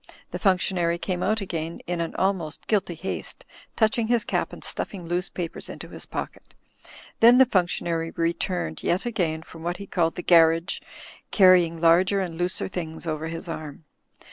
The functionary came out again in an almost guilty haste, touching his cap and stuffing loose papers into his pocket. Then the f imctionary returned yet again from what he called the "garrige," carrying larger and looser things over his arm.